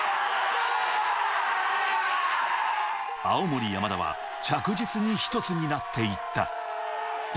青森山田は着実に一つになっていった。